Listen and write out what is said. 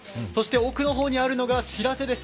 奥の方にあるのが「しらせ」です。